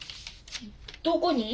どこに？